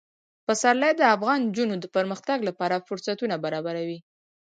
پسرلی د افغان نجونو د پرمختګ لپاره فرصتونه برابروي.